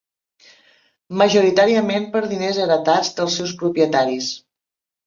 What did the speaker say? Majoritàriament per diners heretats dels seus propietaris.